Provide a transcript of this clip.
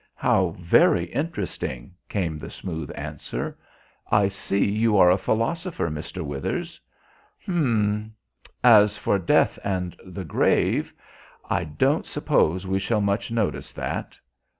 "How very interesting!" came the smooth answer. "I see you are a philosopher, Mr. Withers. H'm! 'As for death and the grave, I don't suppose we shall much notice that.'